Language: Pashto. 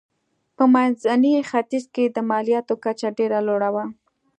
په منځني ختیځ کې د مالیاتو کچه ډېره لوړه وه.